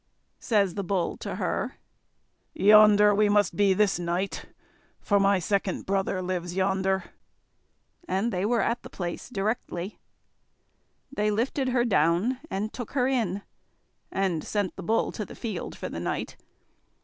Says the Bull to her: "Yonder we must be this night, for my second brother lives yonder;" and they were at the place directly. They lifted her down and took her in, and sent the Bull to the field for the night.